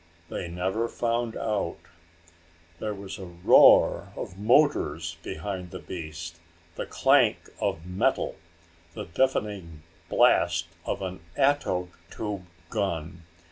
They never found out. There was a roar of motors behind the beast, the clank of metal, the deafening blast of an ato tube gun.